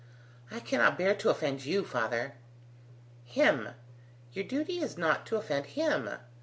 "I cannot bear to offend you, father." "Him! Your duty is not to offend him.